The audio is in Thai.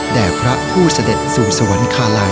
พระผู้เสด็จสู่สวรรคาลัย